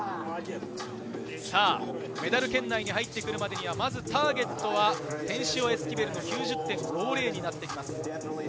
メダル圏内に入ってくるまでにはターゲットはテンシオ・エスキベルの９０．５０です。